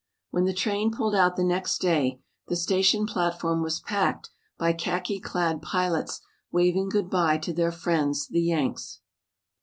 When the train pulled out the next day the station platform was packed by khaki clad pilots waving good bye to their friends the "Yanks."